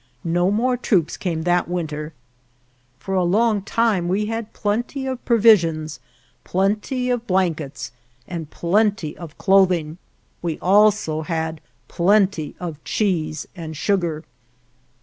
No more troops came that winter. For a long time we had plenty of provi sions, plenty of blankets, and plenty of clothing. We also had plenty of cheese and sugar.